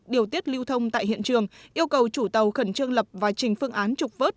điều tiết lưu thông tại hiện trường yêu cầu chủ tàu khẩn trương lập và trình phương án trục vớt